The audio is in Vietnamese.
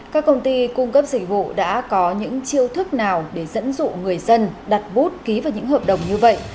các công ty cung cấp dịch vụ đã có những chiêu thức nào để dẫn dụ người dân đặt bút ký vào những hợp đồng như vậy